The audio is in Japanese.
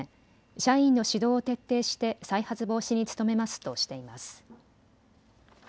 社員の指導を徹底して再発防止に努めますとしています。